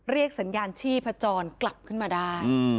สัญญาณชีพจรกลับขึ้นมาได้